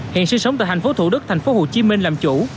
hiện sinh sống tại thành phố thủ đức thành phố hồ chí minh làm chủ